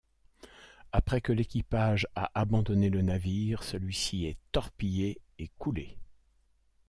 Après que l'équipage a abandonné le navire, celui-ci est torpillé et coulé.